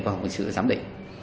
qua hội sự giám định